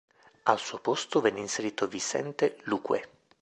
Al suo posto venne inserito Vicente Luque.